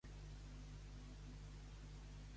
Nas d'estrofa, no en facis mofa.